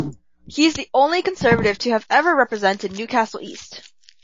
He is the only Conservative to have ever represented Newcastle East.